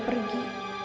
gak ada lagi